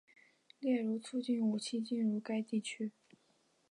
例如促进武器进入该地区。